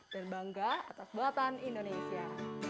dan bangga atas buatan indonesia